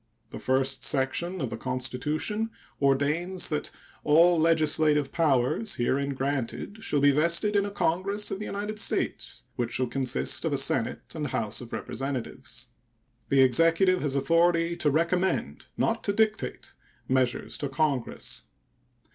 The first section of the Constitution ordains that All legislative powers herein granted shall be vested in a Congress of the United States, which shall consist of a Senate and House of Representatives. The Executive has authority to recommend (not to dictate) measures to Congress.